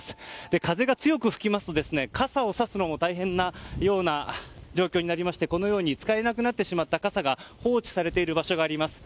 風が強く吹きますと傘をさすのも大変な状況になりまして使えなくなってしまった傘が放置されている場所があります。